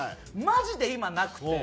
マジで今なくて。